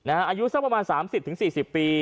อายุสักประมาณ๓๐๔๐ปี